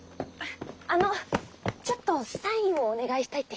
あのちょっとサインをお願いしたいって人が。